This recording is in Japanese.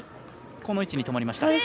この位置に止まりました。